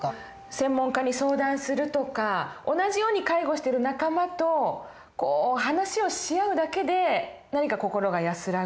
専門家に相談するとか同じように介護してる仲間と話をし合うだけで何か心が安らぐ。